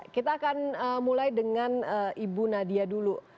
kita akan mulai dengan ibu nadia dulu